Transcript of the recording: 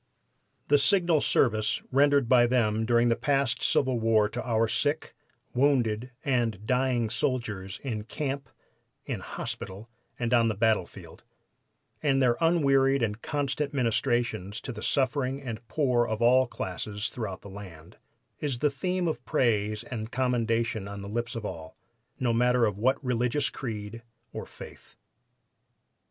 The signal service rendered by them during the past civil war to our sick, wounded and dying soldiers in camp, in hospital and on the battlefield, and their unwearied and constant ministrations to the suffering and poor of all classes throughout the land, is the theme of praise and commendation on the lips of all, no matter of what religious creed or faith.